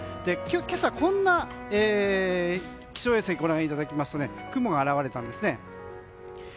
今朝気象衛星をご覧いただきますとこんな雲が現れたんですね。